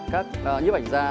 các nhiếp ảnh gia